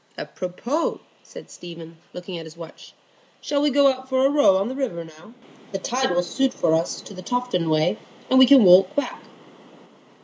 "Apropos!" said Stephen, looking at his watch. "Shall we go out for a row on the river now? The tide will suit for us to the Tofton way, and we can walk back."